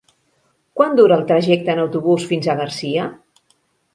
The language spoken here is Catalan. Quant dura el trajecte en autobús fins a Garcia?